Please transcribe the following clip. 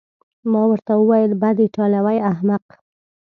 ما ورته وویل: بد، ایټالوی احمق.